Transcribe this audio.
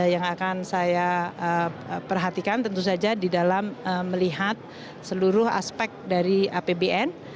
yang akan saya perhatikan tentu saja di dalam melihat seluruh aspek dari apbn